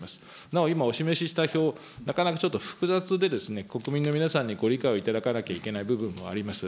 なお今お示しした表、なかなかちょっと複雑で、国民の皆さんにご理解をいただかなきゃいけない部分もあります。